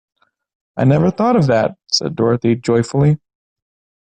I never thought of that! said Dorothy, joyfully.